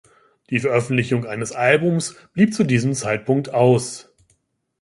Die Veröffentlichung eines Albums blieb zu diesem Zeitpunkt aus.